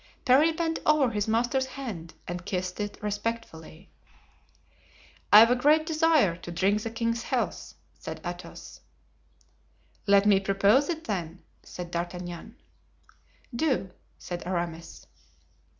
Parry bent over his master's hand and kissed it respectfully. "I've a great desire to drink the king's health," said Athos. "Let me propose it, then," said D'Artagnan. "Do," said Aramis.